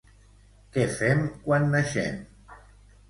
Què fem quan naixem?